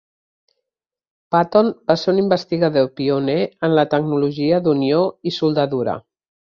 Paton va ser un investigador pioner en la tecnologia d'unió i soldadura.